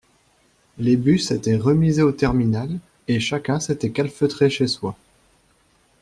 Les bus étaient remisés au terminal, et chacun s’était calfeutré chez soi.